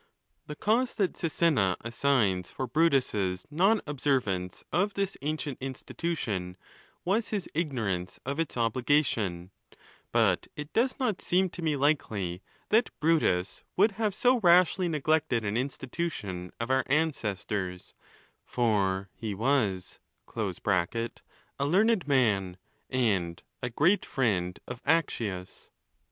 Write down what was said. The cause that Sisenna assigns for Brutus's non observance of this ancient institution, was his ignorance of its obligation ; but it does not seem to me likely that Brutus would have so rashly neglected an institution of our ancestors, for he was] a learned man, and a great friend of Accius.